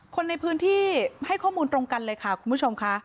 คนในพื้นที่ให้ข้อมูลตรงกันเลยค่ะคุณผู้ชมค่ะ